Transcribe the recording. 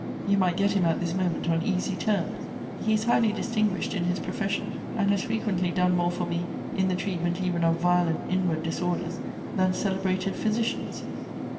You might get him at this moment on easy terms. He is highly distinguished in his profession, and has frequently done more for me, in the treatment even of violent inward disorders, than celebrated physicians.